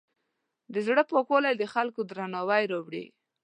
د زړۀ پاکوالی د خلکو درناوی راوړي.